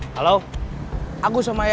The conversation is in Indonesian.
ya udah dia sudah selesai